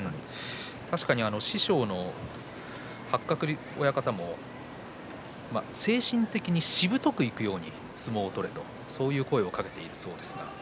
確かに師匠の八角親方も精神的に、しぶとくいくように相撲を取れとそういう声をかけているそうです。